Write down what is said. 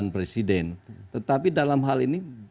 presiden tetapi dalam hal ini